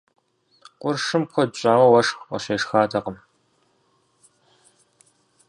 Къуршым куэд щӏауэ уэшх къыщешхатэкъым.